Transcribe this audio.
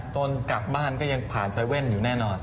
ตอนกลับบ้านก็ยังผ่าน๗๑๑อยู่แน่นอน